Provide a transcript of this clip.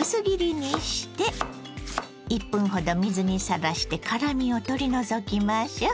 薄切りにして１分ほど水にさらして辛みを取り除きましょう。